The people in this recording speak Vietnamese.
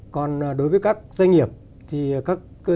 còn đối với các doanh nghiệp thì các doanh nghiệp kinh tế mũi